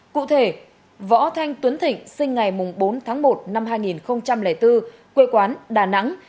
cụ thể võ thanh tuấn thịnh sinh ngày bốn tháng một năm hai nghìn bốn quê quán đà nẵng